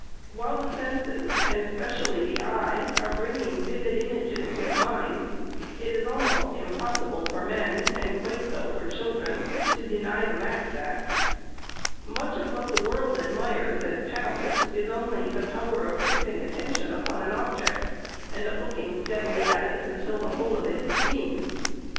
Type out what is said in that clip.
While the senses, and especially the eye, are bringing vivid images to the mind, it is almost impossible for men, and quite so for children, to deny them access. Much of what the world admires as talent, is only a power of fixing attention upon an object, and of looking steadily at it until the whole of it is seen.